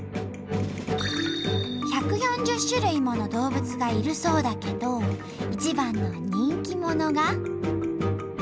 １４０種類もの動物がいるそうだけど一番の人気者が。